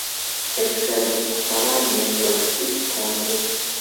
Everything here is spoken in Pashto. ارشاد الفقراء نېکبختي کتاب دﺉ.